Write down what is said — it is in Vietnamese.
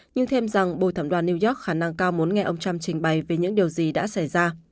nhưng thêm rằng bồi thẩm đoàn new york khả năng cao muốn nghe ông trump trình bày về những điều gì đã xảy ra